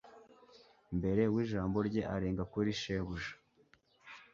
mbere w’ijambo rye arenga kuri shebuja